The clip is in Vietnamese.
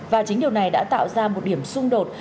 và chính điều này đã tạo ra một điểm xung đột